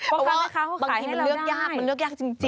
เพราะว่าบางทีมันเลือกยากจริงนะ